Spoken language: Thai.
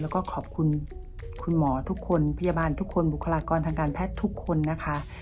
แล้วก็ขอบคุณคุณหมอทุกคนพยาบาลทุกคนบุคลากรทางการแพทย์ทุกคนนะคะ